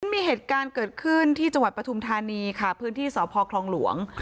มีเหตุการณ์เกิดขึ้นที่จังหวัดปฐุมธานีค่ะพื้นที่สพคลองหลวง